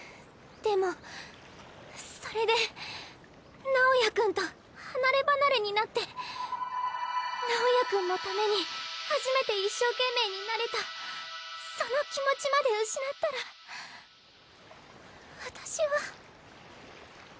でもそれで直也君と離れ離れになって直也君のために初めて一生懸命になれたその気持ちまで失ったら私は。